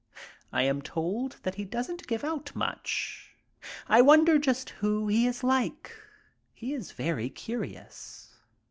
I am told that he doesn't give out much. I wonder just who he is like. He is very curious.